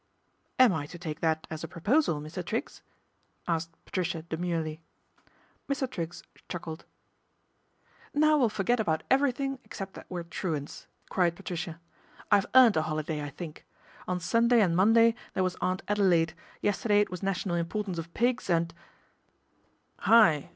" Am I to take that as a proposal, Mr. Triggs ?" asked Patricia demurely. Mr. Triggs chuckled. " Now we'll forget about everything except that we are truants," cried Patricia. " I've earned a holiday, I think. On Sunday and Monday there was Aunt Adelaide, yesterday it was national importance of pigs and " "Hi!